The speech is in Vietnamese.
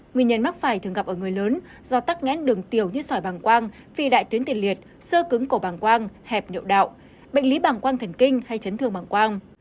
nguyên nhân mắc phải thường gặp ở người lớn do tắc ngán đường tiểu như sỏi bảng quang phi đại tuyến tiền liệt sơ cứng cổ bảng quang hẹp nhộn đạo bệnh lý bảng quang thần kinh hay chấn thương bảng quang